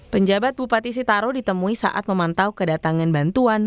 penjabat bupati sitaro ditemui saat memantau kedatangan bantuan